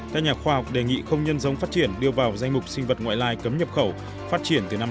các nhà khoa học đề nghị không nhân giống phát triển đưa vào danh mục sinh vật ngoại lai cấm nhập khẩu phát triển từ năm hai nghìn một mươi